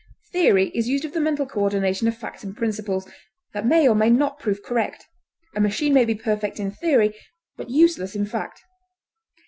Theory is used of the mental coordination of facts and principles, that may or may not prove correct; a machine may be perfect in theory, but useless in fact.